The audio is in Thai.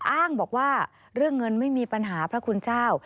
อ้างบอกว่าเรื่องเงินไม่มีปัญหาพระคุณเจ้า